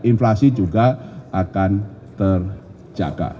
inflasi juga akan terjaga